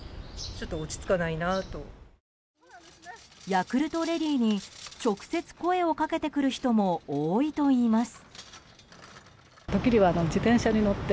ヤクルトレディに直接声をかけてくる人も多いといいます。